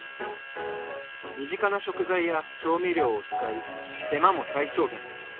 身近な食材や調味料を使い手間も最小限。